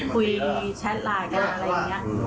แชทไลน์กันอะไรอย่างนี้